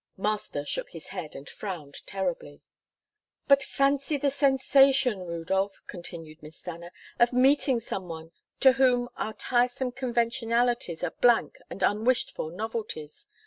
Master shook his head, and frowned terribly. "But fancy the sensation, Rudolph," continued Miss Stanna, "of meeting some one to whom our tiresome conventionalities are blank and unwished for novelties.